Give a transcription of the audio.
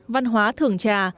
văn hóa thưởng trà